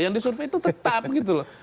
yang disurvey itu tetap gitu loh